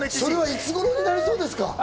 いつごろになりそうですか？